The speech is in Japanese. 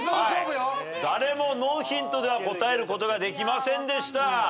誰もノーヒントでは答えることができませんでした。